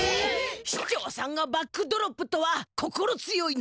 市長さんがバックドロップとは心強いのじゃ。